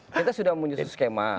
kita sudah memiliki skema